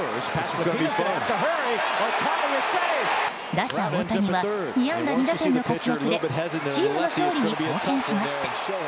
打者・大谷は２安打２打点の活躍でチームの勝利に貢献しました。